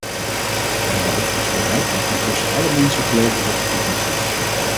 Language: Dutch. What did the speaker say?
Wij hebben overigens bereikt dat intussen alle mensen geloven dat er toekomst is.